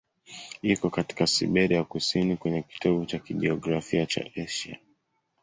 Iko katika Siberia ya kusini, kwenye kitovu cha kijiografia cha Asia.